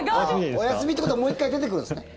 お休みってことはもう１回出てくるんですよね。